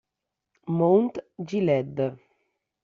Mount Gilead